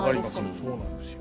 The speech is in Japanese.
そうなんですよ。